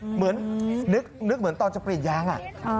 เหมือนนึกเหมือนตอนจะเปลี่ยนยาง